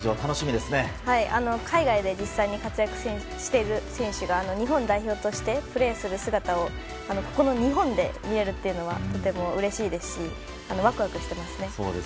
村上さん大谷選手のＷＢＣ出場海外で実際に活躍している選手が日本代表としてプレーする姿をこの日本で見られるというのはとてもうれしいですしワクワクしていますね。